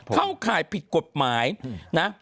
เข้าข่ายผิดกฎหมายนะ